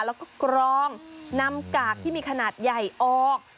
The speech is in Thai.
แล้วก็กรองนำกากที่มีขนาดใหญ่ออก